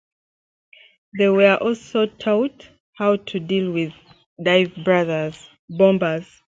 They were also taught how to deal with dive bombers.